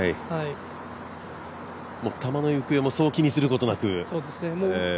球の行方をそう気にすることなく。